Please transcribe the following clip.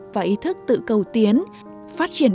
và ý thức tự cầu tiến phát triển